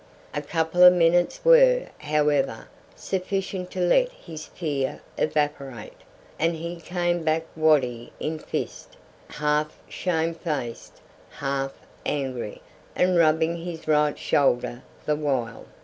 A couple of minutes were, however, sufficient to let his fear evaporate, and he came back waddy in fist, half shamefaced, half angry, and rubbing his right shoulder the while.